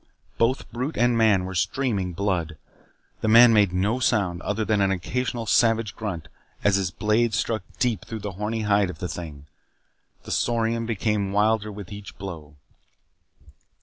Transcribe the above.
Both brute and man were streaming blood. The man made no sound other than an occasional savage grunt as his blade struck deep through the horny hide of the thing. The Saurian became wilder with each blow.